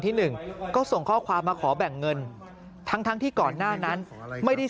ที่หนึ่งก็ส่งข้อความมาขอแบ่งเงินทั้งที่ก่อนหน้านั้นไม่ได้